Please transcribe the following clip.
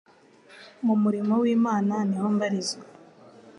mu murimo w'Imana niho mbarizwa